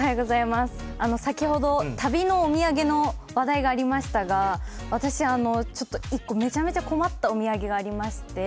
先ほど旅のお土産の話題がありましたが、私、１個めちゃめちゃ困ったお土産がありまして